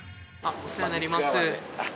お世話になります。